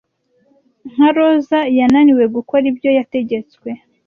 nka roza yananiwe gukora ibyo yategetswe